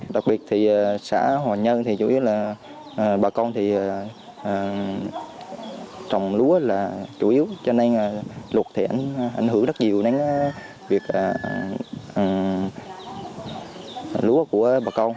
đặc biệt thì xã hòa nhân thì chủ yếu là bà con thì trồng lúa là chủ yếu cho nên lục thẻn ảnh hưởng rất nhiều đến việc lúa của bà con